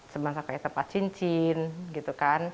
semangka kayak tempat cincin gitu kan